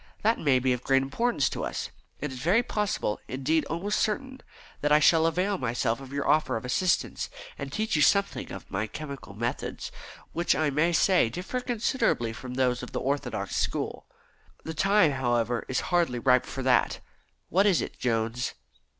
"That may be of great importance to us. It is very possible indeed, almost certain that I shall avail myself of your offer of assistance, and teach you something of my chemical methods, which I may say differ considerably from those of the orthodox school. The time, however, is hardly ripe for that. What is it, Jones?"